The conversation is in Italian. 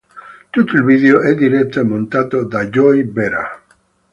Tutto il video è diretto e montato da Joey Vera.